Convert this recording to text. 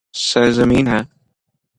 سرزمین ہے